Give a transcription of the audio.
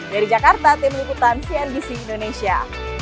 dari jakarta tim liputan cnbc indonesia